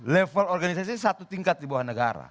level organisasi satu tingkat di bawah negara